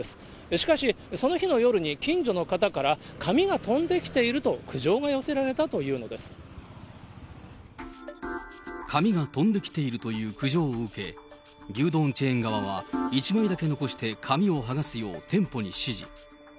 しかし、その日の夜に近所の方から紙が飛んできていると苦情が寄せられた紙が飛んできているという苦情を受け、牛丼チェーン側は１枚だけ残して紙を剥がすよう店舗に指示。